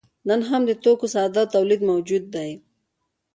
نن هم د توکو ساده تولید موجود دی.